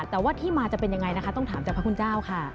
แต่ว่าที่มาจะเป็นยังไงนะคะต้องถามจากพระคุณเจ้าค่ะ